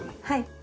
はい。